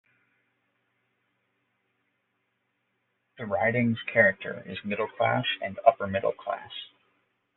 The riding's character is middle-class and upper-middle class.